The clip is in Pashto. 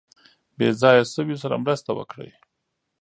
بې ځایه شویو سره مرسته وکړي.